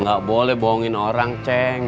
nggak boleh bohongin orang ceng